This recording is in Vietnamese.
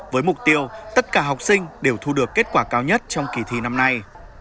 với mục tiêu tất cả học sinh đều thu được kết quả cao nhất trong kỳ thi năm nay